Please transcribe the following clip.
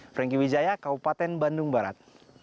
franky wijaya kabupaten bandung barat